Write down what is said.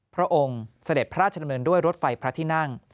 พระองค์เสด็จพระราชดำเนินด้วยรถไฟพระที่นั่ง